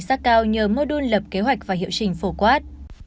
giá cao nhờ mô đun lập kế hoạch và hiệu trình phổ quát